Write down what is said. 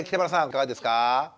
いかがですか？